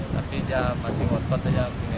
tapi dia masih ngotot aja